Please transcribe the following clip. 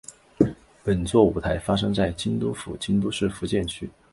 本作舞台发生在京都府京都市伏见区。